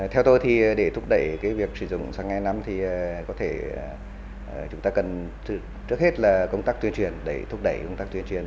theo tôi thì để thúc đẩy việc sử dụng sang ngày năm thì có thể chúng ta cần trước hết là công tác tuyên truyền để thúc đẩy công tác tuyên truyền